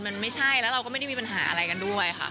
มันไม่ใช่แล้วเราก็ไม่ได้มีปัญหาอะไรกันด้วยค่ะ